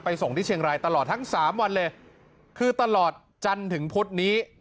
ส่งที่เชียงรายตลอดทั้งสามวันเลยคือตลอดจันทร์ถึงพุธนี้